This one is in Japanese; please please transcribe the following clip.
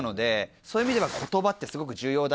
そういう意味では言葉ってすごく重要だなと思って。